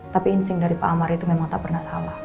tapi insing dari pak amar itu memang tak pernah salah